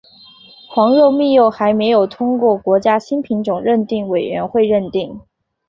黄肉蜜柚还没有通过国家新品种认定委员会认定。